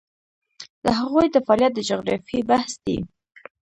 د هغوی د فعالیت د جغرافیې بحث دی.